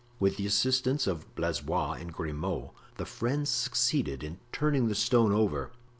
With the assistance of Blaisois and Grimaud the friends succeeded in turning the stone over.